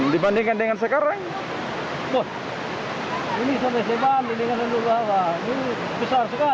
dibandingkan dengan sekarang ini sampai sebanding dengan dulu